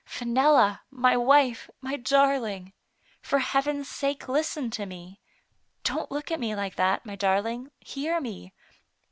" Fenella, my wife, my darling ! For Heaven's sake, listen to me. Don't look at me like that, my darling, hear me.